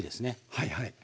はいはい。